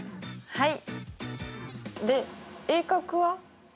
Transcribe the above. はい。